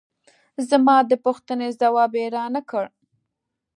زما د پوښتنې ځواب یې را نه کړ.